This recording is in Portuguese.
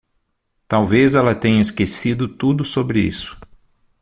Talvez ela tenha esquecido tudo sobre isso.